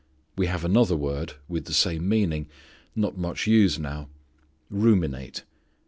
We have another word, with the same meaning, not much used now ruminate.